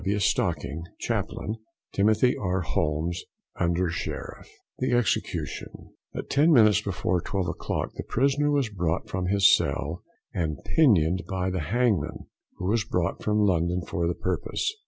W. STOCKING, chaplain; TIMOTHY R. HOLMES, Under Shertff. THE EXECUTION. At ten minutes before twelve o'clock the prisoner was brought from his cell and pinioned by the hangman, who was brought from London for the purpose.